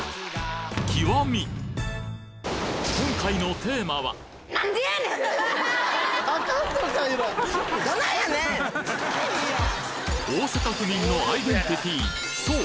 今回の大阪府民のアイデンティティーそう